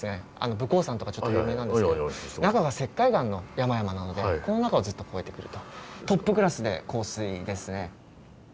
武甲山とかちょっと有名なんですけど中が石灰岩の山々なのでこの中をずっと越えてくると。